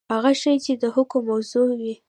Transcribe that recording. هغه شی چي د حکم موضوع وي.؟